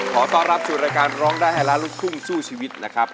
ขอต้อนรับสู่รายการร้องได้ให้ล้านลูกทุ่งสู้ชีวิตนะครับ